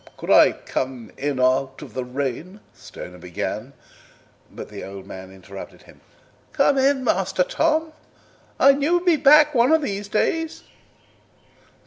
"Could I come in out of the rain?" Stoner began, but the old man interrupted him. "Come in, Master Tom. I knew you would come back one of these days."